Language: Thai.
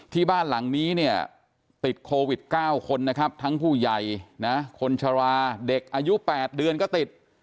ที่บ้านหลังนี้เนี่ยติดโควิด๙คนนะครับทั้งผู้ใหญ่นะคนชราเด็กอายุ๘เดือนก็ติด